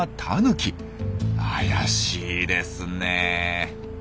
怪しいですねえ。